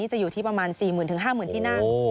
จะอยู่ที่ประมาณ๔๐๐๐๕๐๐ที่นั่ง